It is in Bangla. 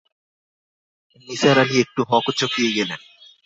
নিসার আলি একটু হকচকিয়ে গেলেন।